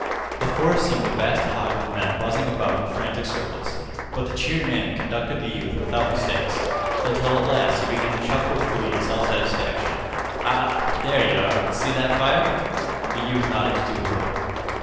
The forest seemed a vast hive of men buzzing about in frantic circles, but the cheery man conducted the youth without mistakes, until at last he began to chuckle with glee and self satisfaction. "Ah, there yeh are! See that fire?" The youth nodded stupidly.